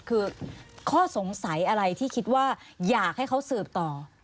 คือข้อสงสัยอะไรที่คิดว่าอยากให้เขาสืบต่อ